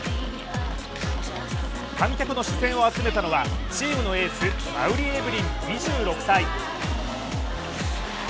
観客の視線を集めたのはチームのエース馬瓜エブリン、２６歳。